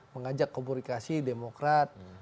mengajak komunikasi demokrat